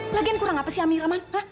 lagian kurang apa sih amira man